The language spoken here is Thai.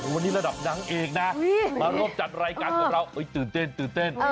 วันนี้ระดับนางเอกนะมาร่วมจัดรายการของเราตื่นเต้น